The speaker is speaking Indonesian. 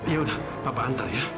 yaudah papa antar ya